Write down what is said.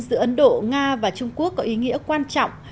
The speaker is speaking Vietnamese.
giữa ấn độ nga và trung quốc có ý nghĩa quan trọng